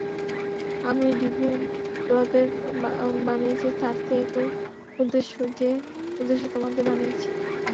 আমি ডিভিয়েন্টদের বানিয়েছি, সার্সি, একই উদ্দেশ্য যে উদ্দেশ্যে তোমাদের বানিয়েছি।